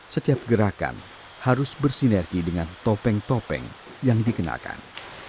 setiap gerakan harus bersinergi dengan topeng topeng yang dikenakan